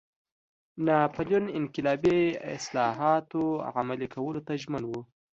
ناپلیون انقلابي اصلاحاتو عملي کولو ته ژمن و.